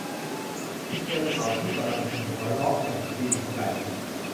คุณเจอเขาที่กำลังหัวเราะอย่างจริงใจ